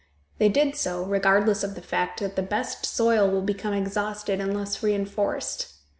They did so, regardless of the fact that the best soil will become exhausted unless reenforced.